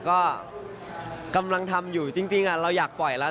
ก็กำลังทำอยู่จริงเราอยากปล่อยแล้ว